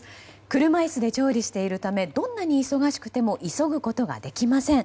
車椅子で調理しているためどんなに忙しくても急ぐことができません。